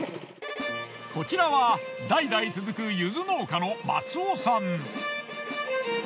こちらは代々続くゆず農家の松尾さん。